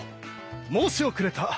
申し遅れた。